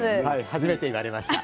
初めて言われました。